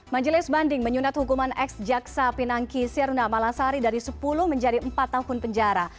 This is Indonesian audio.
majelis banding menyunat hukuman ex jaksa pinangki sirna malasari dari sepuluh menjadi empat tahun penjara